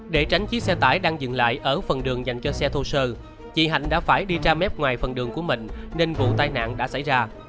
để tránh chiếc xe tải đang dừng lại ở phần đường dành cho xe thô sơ chị hạnh đã phải đi ra mép ngoài phần đường của mình nên vụ tai nạn đã xảy ra